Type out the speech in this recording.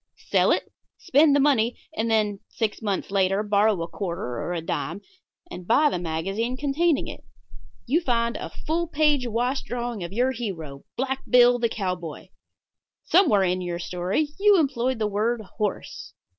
Sell it. Spend the money, and then, six months later, borrow a quarter (or a dime), and buy the magazine containing it. You find a full page wash drawing of your hero, Black Bill, the cowboy. Somewhere in your story you employed the word "horse."